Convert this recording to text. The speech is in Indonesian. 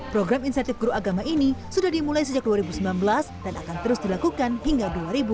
program insentif guru agama ini sudah dimulai sejak dua ribu sembilan belas dan akan terus dilakukan hingga dua ribu dua puluh